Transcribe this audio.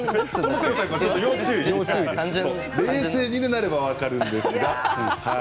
冷静になれば分かるんですけどね。